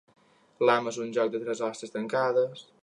L'ham és un joc de tres ostres tancades.